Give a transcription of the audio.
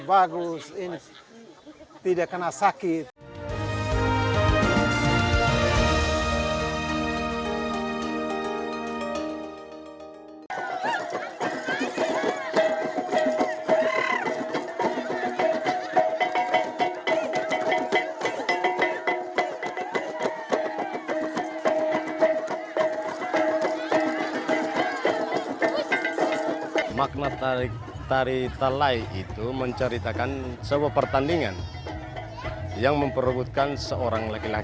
berlaku kegiatan ini seperti yang kita